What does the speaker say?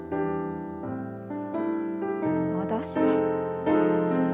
戻して。